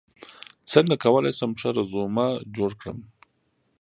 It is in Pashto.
څنګه کولی شم ښه رزومه جوړ کړم